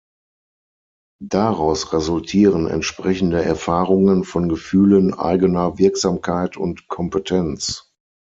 Daraus resultieren entsprechende Erfahrungen von Gefühlen eigener Wirksamkeit und Kompetenz.